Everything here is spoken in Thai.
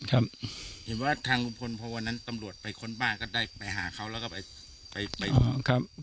เห็นว่าทางลุงพลพอวันนั้นตำรวจไปค้นบ้านก็ได้ไปหาเขาแล้วก็ไปไป